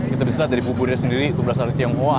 kita bisa lihat dari buburnya sendiri itu berasa seperti yang hoa